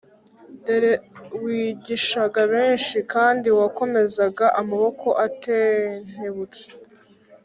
dore wigishaga benshi, kandi wakomezaga amaboko atentebutse